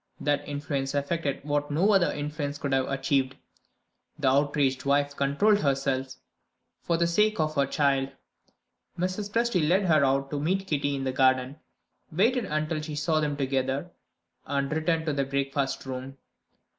That influence effected what no other influence could have achieved. The outraged wife controlled herself, for the sake of her child. Mrs. Presty led her out to meet Kitty in the garden; waited until she saw them together; and returned to the breakfast room.